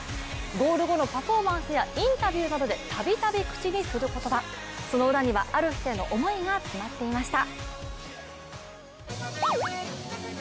ゴール後のパフォーマンスやインタビューでたびたび口にする言葉、その裏には、ある人への思いが詰まっていました。